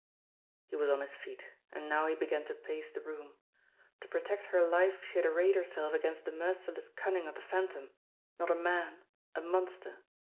He was on his feet ; and now he began to pace the room. To protect her life she had arrayed herself against the merci less cunning of the Phantom not a man ; a monster.